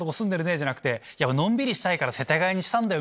じゃなくてのんびりしたいから世田谷にしたんだよ！